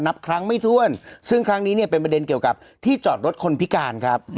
นับครั้งไม่ถ้วนซึ่งครั้งนี้เนี่ยเป็นประเด็นเกี่ยวกับที่จอดรถคนพิการครับ